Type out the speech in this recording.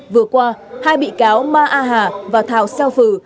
vừa qua hai bị cáo ma a hà và thảo seo phử